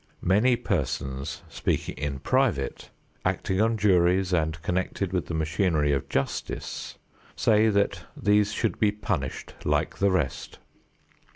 Many persons speaking in private, acting on juries and connected with the machinery of "justice" say that these should be punished like the rest.